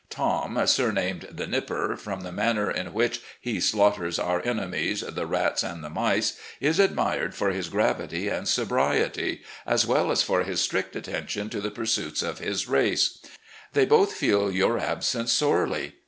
Tom, sumamed 'The Nipper,' from the mann^ in which he slaughters our enemies, the rats FAMILY AFFAIRS 249 and the mice, is admired for his gravity and sobriety, as well as for his strict attention to the purstiits of his race. They both feel your absence sorely.